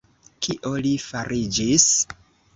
Kio li fariĝis?